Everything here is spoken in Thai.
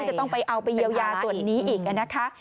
จะต้องไปเอาไปเยียวยาส่วนนี้อีกนะคะ